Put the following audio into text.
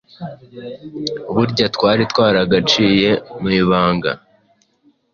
burya twari twaragaciye mu ibanga!